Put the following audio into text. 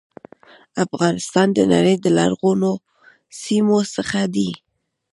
افغانستان د نړی د لرغونو سیمو څخه دی.